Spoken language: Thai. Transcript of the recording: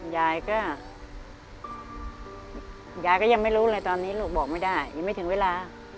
ยายก็ยายก็ยังไม่รู้เลยตอนนี้ลูกบอกไม่ได้ยังไม่ถึงเวลา